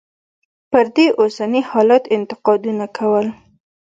پر دې اوسني حالت انتقادونه کول.